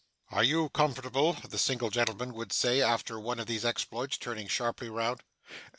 'Are you comfortable?' the single gentleman would say after one of these exploits, turning sharply round.